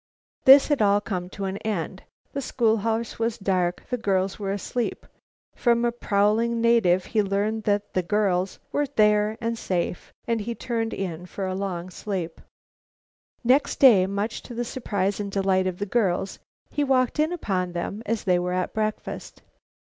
This had all come to an end. The schoolhouse was dark the girls were asleep. From a prowling native he learned that the girls were there and safe, then he turned in for a long sleep. Next day, much to the surprise and delight of the girls, he walked in upon them as they were at breakfast.